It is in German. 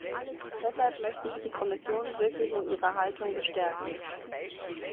Deshalb möchte ich die Kommission wirklich in ihrer Haltung bestärken.